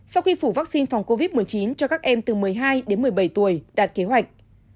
sau khi phủ vaccine phòng covid một mươi chín cho các em từ một mươi hai đến một mươi bảy tuổi đạt kế hoạch